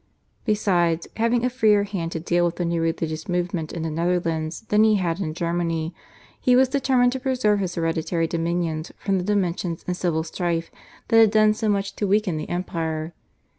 Besides, having a freer hand to deal with the new religious movement in the Netherlands than he had in Germany, he was determined to preserve his hereditary dominions from the dimensions and civil strife that had done so much to weaken the empire.